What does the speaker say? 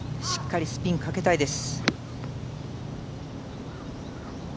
しっかりスピンかけたいです。